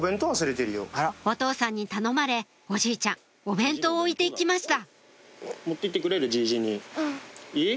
お父さんに頼まれおじいちゃんお弁当を置いていきました